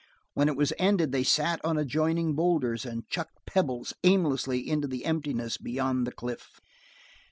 When it was ended they sat on adjoining boulders and chucked pebbles aimlessly into the emptiness beyond the cliff.